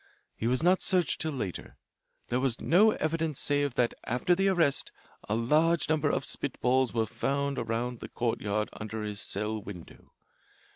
He was not searched till later. There was no evidence save that after the arrest a large number of spitballs were found around the courtyard under his cell window.